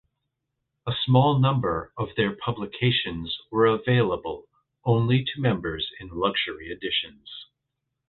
A small number of their publications were available only to members in luxury editions.